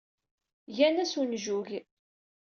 Gan-as unjug.